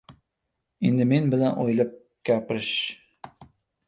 Endi men bilan o‘ylab gapirish!